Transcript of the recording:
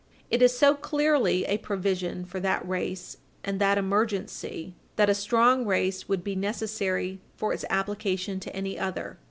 ... It is so clearly a provision for that race and that emergency that a strong case would be necessary for its application to any other."